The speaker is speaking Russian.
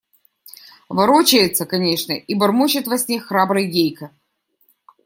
Ворочается, конечно, и бормочет во сне храбрый Гейка.